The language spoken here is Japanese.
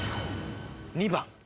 ２番。